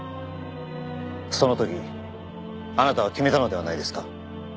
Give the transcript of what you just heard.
その時あなたは決めたのではないですか？